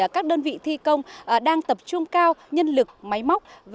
các đơn vị thi công đang tập trung cao nhân lực máy móc